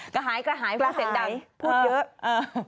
กระหายกระเสนดันพูดเยอะ